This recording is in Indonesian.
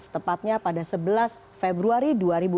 dua ribu enam belas tepatnya pada sebelas februari dua ribu enam belas